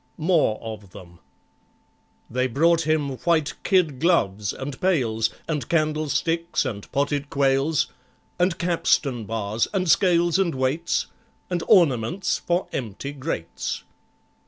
More of them They brought him white kid gloves, and pails, And candlesticks, and potted quails, And capstan bars, and scales and weights, And ornaments for empty grates.